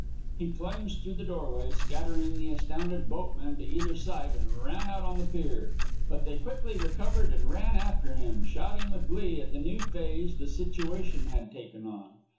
He plunged through the doorway, scattering the astounded boatmen to either side, and ran out on the pier. But they quickly recovered and ran after him, shouting with glee at the new phase the situation had taken on.